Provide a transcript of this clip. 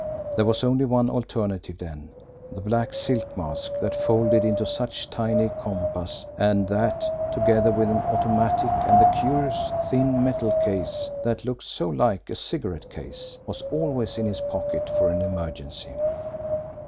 There was only one alternative then the black silk mask that folded into such tiny compass, and that, together with an automatic and the curious, thin metal case that looked so like a cigarette case, was always in his pocket for an emergency!